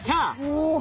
お。